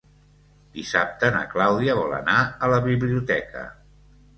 Dissabte na Clàudia vol anar a la biblioteca.